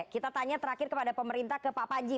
kita tanya terakhir kepada pemerintah ke pak panji